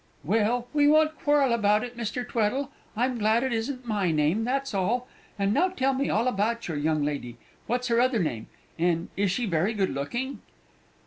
"Well, we won't quarrel about it, Mr. Tweddle; I'm glad it isn't my name, that's all. And now tell me all about your young lady. What's her other name, and is she very good looking?"